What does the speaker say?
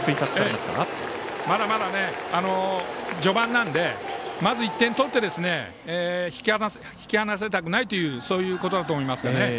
まだまだ序盤なのでまず１点取って引き離されたくないというそういうことだと思います。